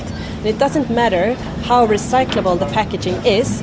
tidak penting seberapa recyclable packaging itu